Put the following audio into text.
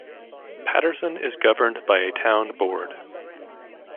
Patterson is governed by a town board.